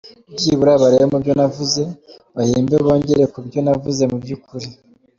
Byibura barebe mubyo navuze bahimbe bongera kubyo navuze mu by’ukuri.